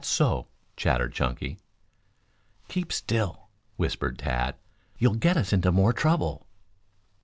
"T h h h at's so," chattered Chunky. "Keep still," whispered Tad. "You'll get us into more trouble."